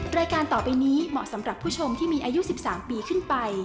รายการต่อไปนี้เหมาะสำหรับผู้ชมที่มีอายุ๑๓ปีขึ้นไป